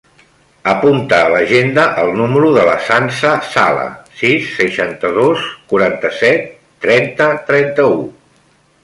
Apunta a l'agenda el número de la Sança Sala: sis, seixanta-dos, quaranta-set, trenta, trenta-u.